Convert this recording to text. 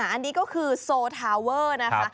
อันนี้ก็คือโซทาเวอร์นะคะ